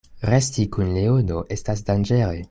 Resti kun leono estas danĝere.